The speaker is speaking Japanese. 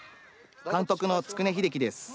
監督の築根英樹です。